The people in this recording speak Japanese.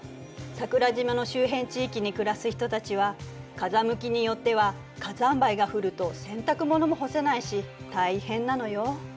桜島の周辺地域に暮らす人たちは風向きによっては火山灰が降ると洗濯物も干せないし大変なのよ。